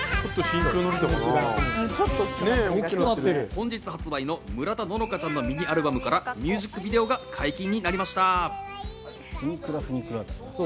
本日発売の村方乃々佳ちゃんのミニアルバムからミュージックビデオが解禁になりました。